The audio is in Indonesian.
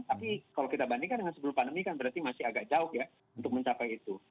tapi kalau kita bandingkan dengan sebelum pandemi kan berarti masih agak jauh ya untuk mencapai itu